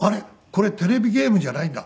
これテレビゲームじゃないんだ。